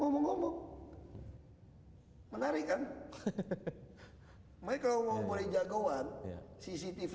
menarikan mereka umum boleh jagoan cctv